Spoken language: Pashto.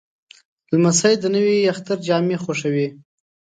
لمسی د نوي اختر جامې خوښوي.